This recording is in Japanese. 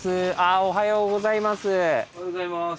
あおはようございます。